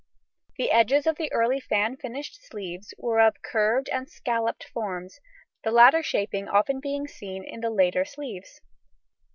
The edges of the early fan finished sleeves were of curved and scalloped forms, the latter shaping often being seen in the later sleeves.